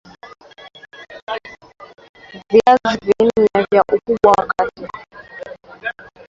Viazi nne vya ukubwa wa kati